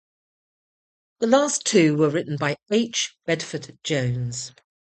The last two were written by H. Bedford-Jones.